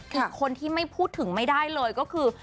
อีกคนที่ไม่พูดถึงไม่ได้เลยก็คือ